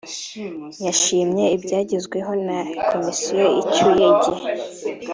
yashimye ibyagezweho na Komisiyo icyuye igihe